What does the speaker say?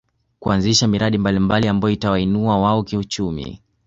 Kuanzisha miradi mbalimbali ambayo itawainua wao kiuchumi